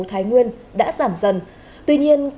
thái nguyên đã giảm dần tuy nhiên